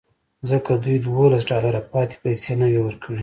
ځکه دوی دولس ډالره پاتې پیسې نه وې ورکړې